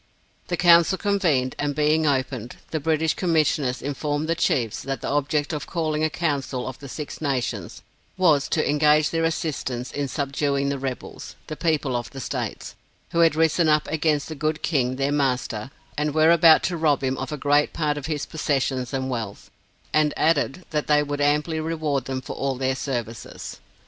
The council convened, and being opened, the British Commissioners informed the Chiefs that the object of calling a council of the Six Nations, was, to engage their assistance in subduing the rebels, the people of the states, who had risen up against the good King, their master, and were about to rob him of a great part of his possessions and wealth, and added that they would amply reward them for all their services.